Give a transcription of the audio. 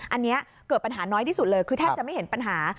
อันนี้เกิดปัญหาน้อยที่สุดเลยคือแทบจะไม่เห็นปัญหา